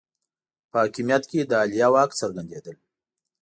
په حاکمیت کې د عالیه واک څرګندېدل